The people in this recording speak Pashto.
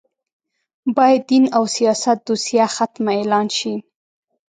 باید دین او سیاست دوسیه ختمه اعلان شي